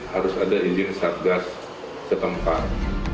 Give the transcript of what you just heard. harus ada izin satgas setempat